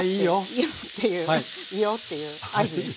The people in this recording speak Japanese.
いいよっていうねいいよっていう合図です。